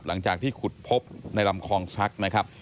หลังจากที่ขุดพบในลำคลองซักนะครับ